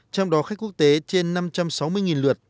trong đó khách quốc tế trên năm trăm sáu mươi lượt